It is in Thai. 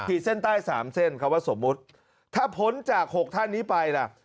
ผีเส้นใต้สามเส้นเขาว่าสมมุติถ้าผลจากหกท่านนี้ไปล่ะ